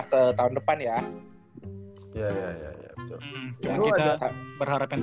karena kita udah berharap